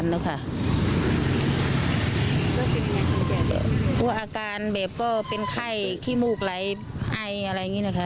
เพราะว่าอาการแบบก็เป็นไข้ขี้มูกไหลไออะไรอย่างนี้นะคะ